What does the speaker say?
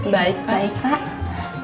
baik baik pak